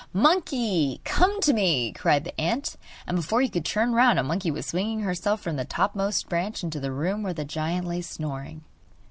'Monkey, come to me!' cried the ant; and before you could turn round a monkey was swinging herself from the topmost branches into the room where the giant lay snoring.